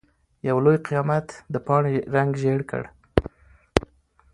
يو لوی قيامت د پاڼې رنګ ژېړ کړ.